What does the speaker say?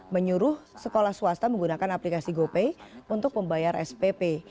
menyuruh sekolah swasta menggunakan aplikasi gopay untuk membayar spp